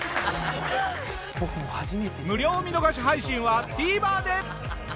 無料見逃し配信はＴＶｅｒで！